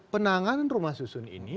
penanganan rumah susun ini